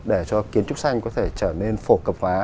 để cho kiến trúc xanh có thể trở nên phổ cập hóa